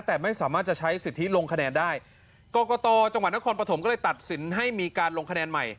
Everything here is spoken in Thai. แต่ไม่สามารถจะใช้สิทธิลงคะแนนได้กรกตจังหวัดนครปฐมก็เลยตัดสินให้มีการลงคะแนนใหม่